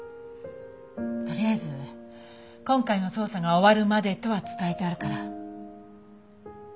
とりあえず今回の捜査が終わるまでとは伝えてあるから。